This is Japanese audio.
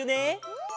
うん！